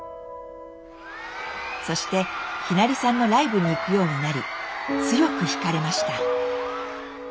そしてひなりさんのライブに行くようになり強くひかれました。